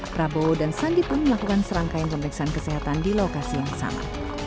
prabowo dan sandi pun melakukan serangkaian pemeriksaan kesehatan di lokasi yang sama